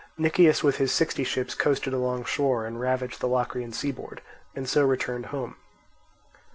Nicias with his sixty ships coasted alongshore and ravaged the Locrian seaboard, and so returned home.